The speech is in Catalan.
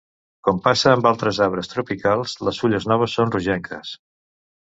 Com passa amb altres arbres tropicals, les fulles noves són rogenques.